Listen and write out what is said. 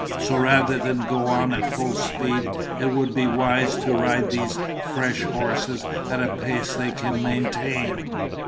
"So rather than go on at full speed, it would be wise to ride these fresh horses at a pace they can maintain."